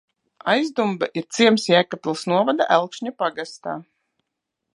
Aizdumble ir ciems Jēkabpils novada Elkšņu pagastā.